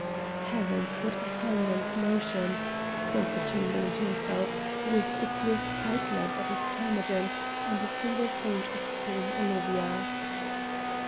"Heavens! what a hangman's notion!" thought the Chamberlain to himself, with a swift side glance at this termagant, and a single thought of calm Olivia.